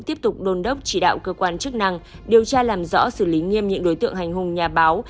tiếp tục đôn đốc chỉ đạo cơ quan chức năng điều tra làm rõ xử lý nghiêm những đối tượng hành hùng nhà báo